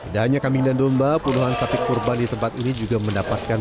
dan ya kambing dan domba puluhan sapi kurban di tempat ini juga mendapatkan